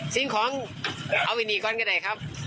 สิ่งของเอาไปหนีก่อนก็ได้ครับ